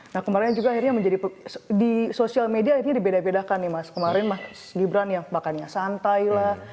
nah kemarin juga akhirnya menjadi di sosial media akhirnya dibeda bedakan nih mas kemarin mas gibran yang makannya santai lah